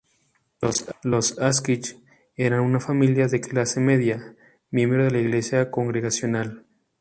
Los Asquith eran una familia de clase media, miembro de la Iglesia congregacional.